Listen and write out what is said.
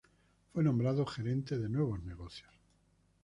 Fue nombrado Gerente de nuevos negocios.